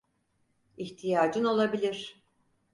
İhtiyacın olabilir.